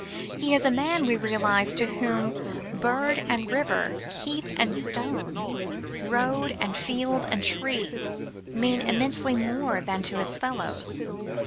He is a man, we realize, to whom bird and river, heath and stone, road and field and tree, mean immensely more than to his fellows.